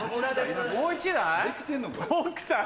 奥さん！